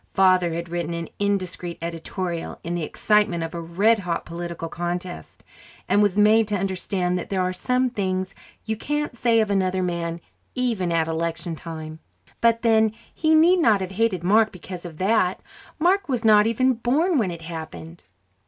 Father had written an indiscreet editorial in the excitement of a red hot political contest and was made to understand that there are some things you can't say of another man even at election time. But then, he need not have hated Mark because of that; Mark was not even born when it happened.